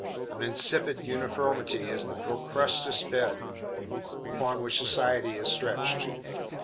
An insipid uniformity is the Procrustes bed, upon which "society" is stretched.